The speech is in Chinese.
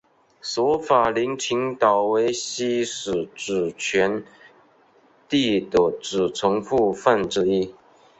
舍法林群岛为西属主权地的组成部分之一。